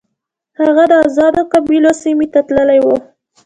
هغه د آزادو قبایلو سیمې ته تللی وو.